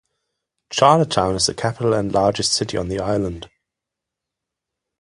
Charlottetown is the capital and largest city on the island.